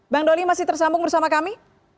bang doli masih tersambung bersama kami